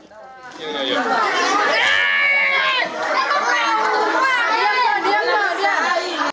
dia dia dia